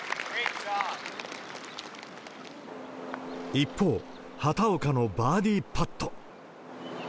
一方、畑岡のバーディーパット。